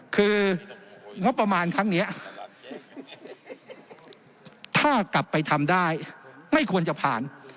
คืองบประมาณครั้งนี้ถ้ากลับไปทำได้ไม่ควรจะผ่าน